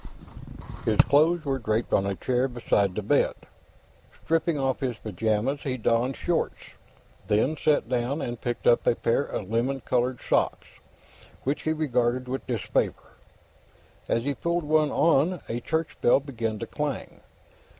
His clothes were draped on a chair beside the bed. Stripping off his pajamas, he donned shorts, then sat down and picked up a pair of lemon colored socks, which he regarded with disfavor. As he pulled one on, a church bell began to clang.